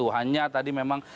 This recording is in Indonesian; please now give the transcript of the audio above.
hanya tadi memang